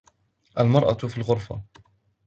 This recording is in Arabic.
المرأة في الغرفه.